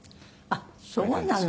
あっそうなの。